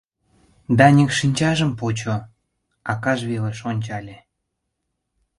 Даник шинчажым почо, акаж велыш ончале.